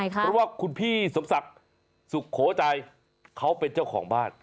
เพราะว่าคุณพี่สมศักดิ์สุโขใจเขาเป็นเจ้าของบ้าน